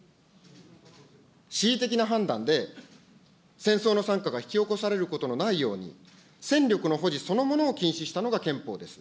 恣意的な判断で、戦争の惨禍が引き起こされることのないように、戦力の保持そのものを禁止したのが憲法です。